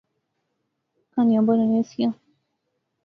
کہانیاں بانونیاں سیاں